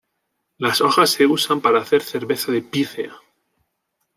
Las hojas se usan para hacer cerveza de pícea.